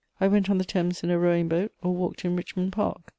_ I went on the Thames in a rowing boat, or walked in Richmond Park.